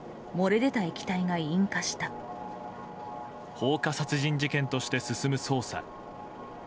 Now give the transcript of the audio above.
放火殺人事件として進む捜査。